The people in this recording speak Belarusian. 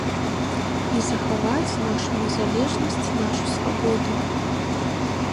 І захаваць нашу незалежнасць, нашу свабоду.